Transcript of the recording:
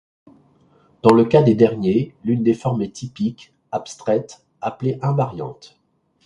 Dans le cas des derniers, l’une des formes est typique, abstraite, appelée invariante.